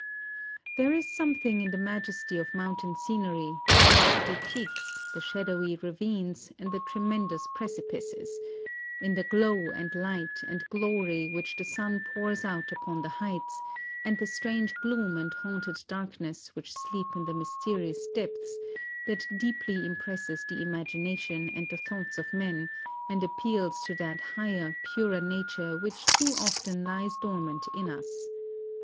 " There is something in the majesty of mountain scenery, in the lofty peaks, the shadowy ravines, and the tremendous precipices; in the glow and light and glory which the sun pours out upon the heights, and the strange gloom and haunted darkness which sleep in the mysterious depths, that deeply impresses the imagination and the thoughts of men, and appeals to that higher, purer nature which too often lies dormant in us.